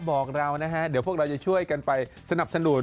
บอกเรานะฮะเดี๋ยวพวกเราจะช่วยกันไปสนับสนุน